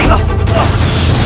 saya tidak mau kisah